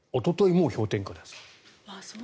もう氷点下です。